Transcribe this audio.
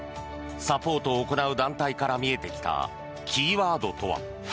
サポートを行う団体から見えてきたキーワードとは。